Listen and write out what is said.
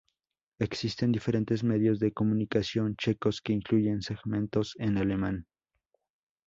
Existen diferentes medios de comunicación checos que incluyen segmentos en alemán.